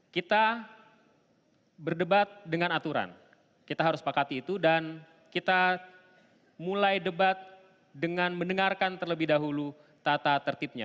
kita berdebat dengan aturan kita harus sepakati itu dan kita mulai debat dengan mendengarkan terlebih dahulu tata tertibnya